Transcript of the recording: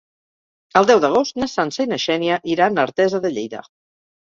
El deu d'agost na Sança i na Xènia iran a Artesa de Lleida.